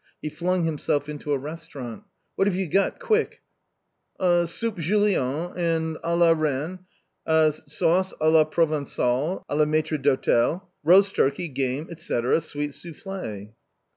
He flung himself into a restau rant " What have you got, quick !"" Soup julienne and k la reine ; sauce k la provengale, k la maitre d'hotel; roast turkey, game, &c, sweet souffle."